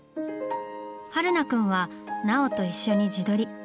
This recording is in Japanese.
榛名くんは奈緒と一緒に自撮り。